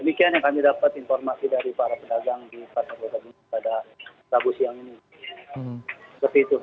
demikian yang kami dapat informasi dari para pedagang di pasar kota bandung pada rabu siang ini